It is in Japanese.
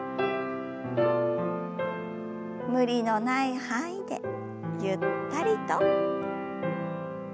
無理のない範囲でゆったりと。